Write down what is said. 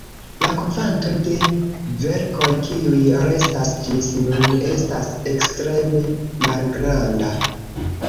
La kvanto de verkoj, kiuj restas ĝis nun estas ekstreme malgranda.